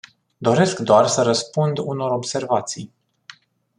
Doresc doar să răspund unor observații.